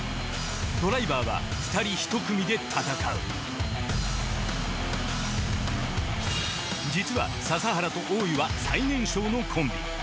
ドライバーは二人一組で戦う実は笹原と大湯は最年少のコンビ。